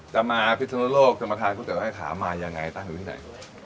จะมาพิศนุโลกจะมาทานก๋วห้อยขามายังไงตั้งอยู่ที่ไหน